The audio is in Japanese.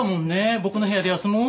僕の部屋で休もう。